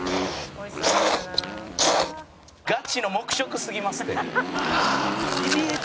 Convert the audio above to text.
ガチの黙食すぎますって。